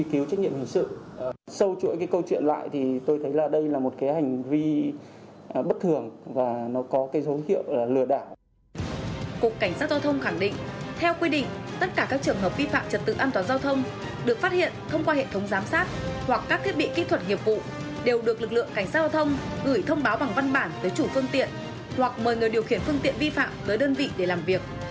theo quy định tất cả các trường hợp vi phạm trật tự an toàn giao thông được phát hiện thông qua hệ thống giám sát hoặc các thiết bị kỹ thuật hiệp vụ đều được lực lượng cảnh sát giao thông gửi thông báo bằng văn bản tới chủ phương tiện hoặc mời người điều khiển phương tiện vi phạm tới đơn vị để làm việc